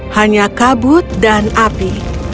hanya kabut dan api